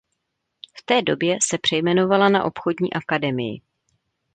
V té době se přejmenovala na Obchodní akademii.